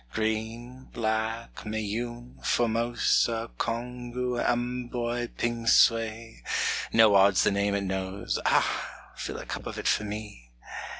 Green, Black, Moyune, Formosa, Congou, Amboy, Pingsuey No odds the name it knows ah! Fill a cup of it for me!